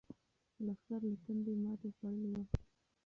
لښکر له تندې ماتې خوړلې وه.